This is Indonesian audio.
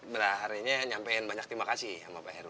benare nya nyampaikan banyak terima kasih sama pak heru